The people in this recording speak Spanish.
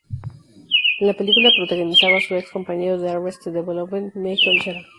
En la película protagonizaba su ex compañero de "Arrested Development", Michael Cera.